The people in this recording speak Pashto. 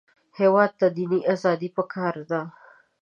هېواد ته دیني ازادي پکار ده